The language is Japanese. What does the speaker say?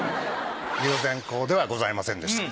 龍涎香ではございませんでした。